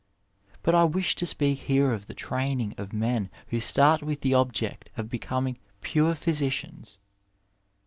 But I wish to speak here of the training of men who start with the object of becoming pure physicians.